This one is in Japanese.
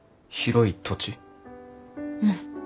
うん。